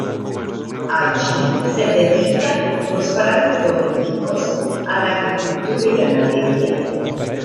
Allí se dedican, los frailes dominicos, a la agricultura y ganadería.